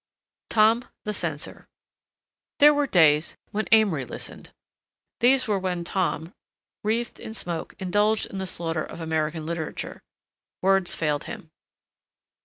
TOM THE CENSOR There were days when Amory listened. These were when Tom, wreathed in smoke, indulged in the slaughter of American literature. Words failed him.